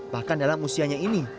bahkan dalam usianya ini